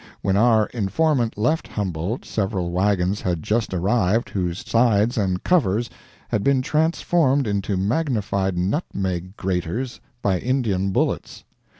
When our informant left Humboldt several wagons had just arrived whose sides and covers had been transformed into magnified nutmeg graters by Indian bullets.